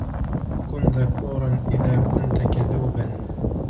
كُنْ ذكورا إذا كُنْت كذوبا.